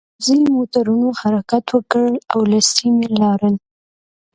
پوځي موټرونو حرکت وکړ او له سیمې لاړل